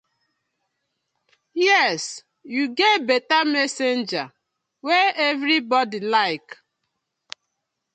Yes yu get betta messenger wey everybodi like.